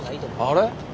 あれ？